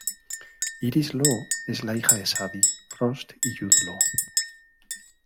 Iris Law es la hija de Sadie Frost y Jude Law.